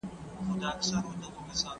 عبدالباري جهاني: د مولوي له مثنوي څخه